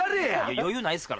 余裕ないっすから。